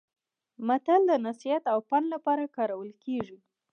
متل د نصيحت او پند لپاره کارول کیږي